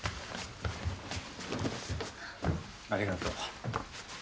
ありがとう。